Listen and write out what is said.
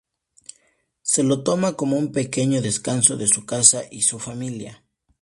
Se lo toma como un pequeño descanso de su casa y su familia.